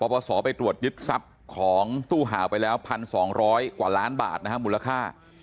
ปศไปตรวจยึดทรัพย์ของตู้ห่าวไปแล้ว๑๒๐๐กว่าล้านบาทนะฮะมูลค่า